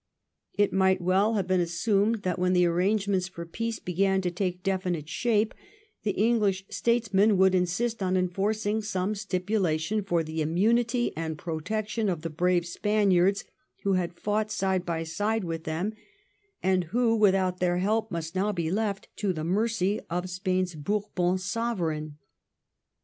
It might well have been assumed that when the arrangements for peace began to take definite shape the English statesmen would insist on enforcing some stipulation for the immunity and protection of the brave Spaniards who had fought side by side with them, and who without their help must now be left to the mercy of Spain's Bourbon Sovereign.